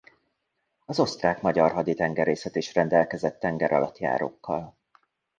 Az Osztrák–Magyar Haditengerészet is rendelkezett tengeralattjárókkal.